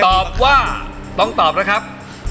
ตอบว่าต้องตอบนะครับ